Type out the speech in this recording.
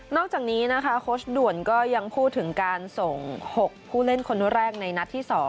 อกจากนี้นะคะโค้ชด่วนก็ยังพูดถึงการส่ง๖ผู้เล่นคนแรกในนัดที่๒